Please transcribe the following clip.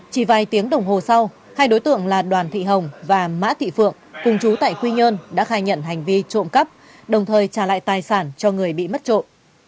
chỉ vài tiếng đồng hồ sau hai đối tượng là đoàn thị hồng và mã thị phượng cùng chú tại quy nhơn đã khai nhận hành vi trộm cắp đồng thời trả lại tài sản cho người bị mất trộm